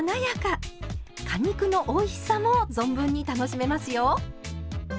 果肉のおいしさも存分に楽しめますよ。